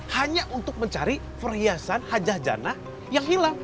hanya untuk mencari perhiasan hajah janah yang hilang